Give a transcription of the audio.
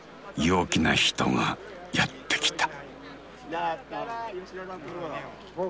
陽気な人がやって来た。